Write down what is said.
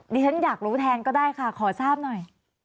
ฉันอยากรู้แทนก็ได้ค่ะขอทราบหน่อย